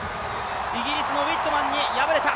イギリスのウィットマンに敗れた。